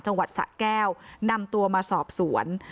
จังหวัดสะแก้วนำตัวมาสอบสวน